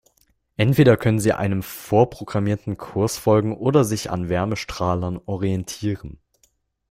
Entweder können sie einem vorprogrammierten Kurs folgen oder sich an Wärmestrahlern orientieren.